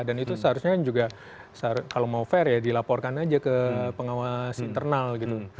dan itu seharusnya juga kalau mau fair ya dilaporkan aja ke pengawas internal gitu